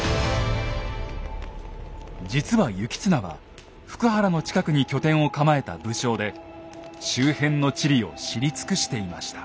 実は行綱は福原の近くに拠点を構えた武将で周辺の地理を知り尽くしていました。